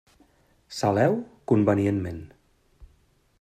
Saleu convenientment.